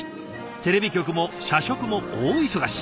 テレビ局も社食も大忙し。